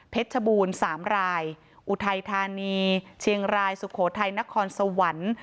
ชบูรณ์๓รายอุทัยธานีเชียงรายสุโขทัยนครสวรรค์